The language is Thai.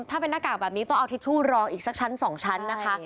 ถ้าเป็นหน้ากากแบบนี้ต้องเอาทิชชู่รองอีกสักชั้น๒ชั้นนะคะ